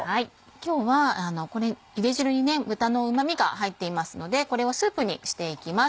今日はゆで汁に豚のうまみが入っていますのでこれをスープにしていきます。